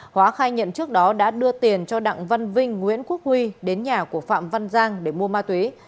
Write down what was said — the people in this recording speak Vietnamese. hóa khai nhận trước đó đã đưa tiền cho đặng văn vinh nguyễn quốc huy đến nhà của phạm văn giang để mua ma túy